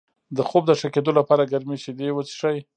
د خوب د ښه کیدو لپاره ګرمې شیدې وڅښئ